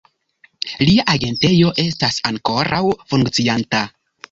Lia agentejo estas ankoraŭ funkcianta.